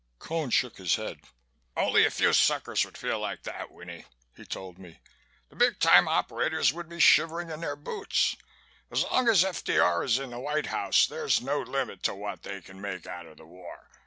Cone shook his head. "Only a few suckers would feel like that, Winnie," he told me. "The big time operators would be shivering in their boots. As long as F.D.R. is in the White House there's no limit to what they can make out of the war.